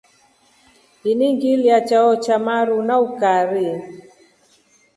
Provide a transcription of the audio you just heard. Ini ngililya chao cha maru na ukari.